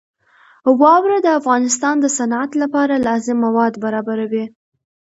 واوره د افغانستان د صنعت لپاره لازم مواد برابروي.